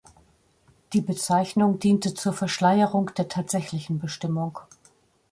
Die Bezeichnung diente zur Verschleierung der tatsächlichen Bestimmung.